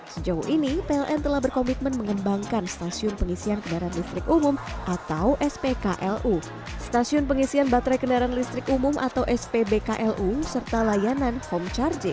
sejauh ini pln telah berkomitmen mengembangkan stasiun pengisian kendaraan listrik umum atau spklu stasiun pengisian baterai kendaraan listrik umum atau spbklu serta layanan home charging